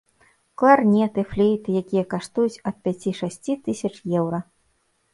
Кларнеты, флейты, якія каштуюць ад пяці-шасці тысяч еўра.